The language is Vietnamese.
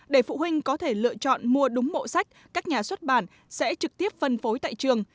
để phụ huynh có thể lựa chọn mua đúng bộ sách các nhà xuất bản sẽ trực tiếp phân phối tại trường